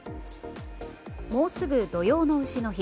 もうすぐ土用の丑の日。